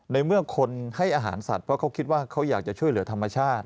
ในเมื่อคนให้อาหารสัตว์เพราะเขาคิดว่าเขาอยากจะช่วยเหลือธรรมชาติ